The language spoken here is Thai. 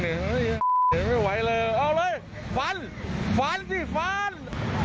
เดินไม่ไหวเลยเอาเลยฟันฟันสิฟัน